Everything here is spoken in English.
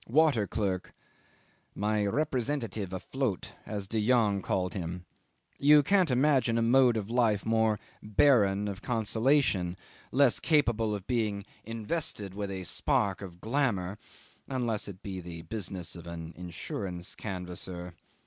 Water clerk. "My representative afloat," as De Jongh called him. You can't imagine a mode of life more barren of consolation, less capable of being invested with a spark of glamour unless it be the business of an insurance canvasser.